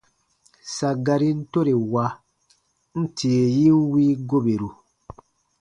Sa garin tore wa, n tie yin wii goberu.